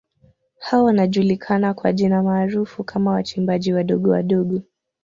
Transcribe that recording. Hao wanajulikana kwa jina maarufu kama wachimbaji wadogo wadogo